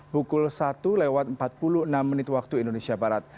pukul satu lewat empat puluh enam menit waktu indonesia barat